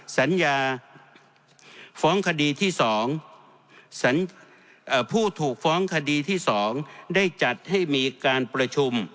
สัญญาผู้ถูกฟ้องคดีที่๒ได้จัดให้มีการประชุม